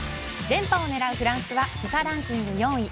連覇を狙うフランスはＦＩＦＡランキング４位。